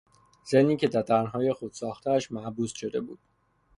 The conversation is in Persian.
زنی که در تنهایی خود ساختهاش محبوس شده بود